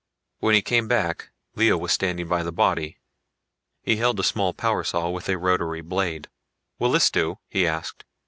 When he came back Lea was standing by the body. He held the small power saw with a rotary blade. "Will this do?" he asked.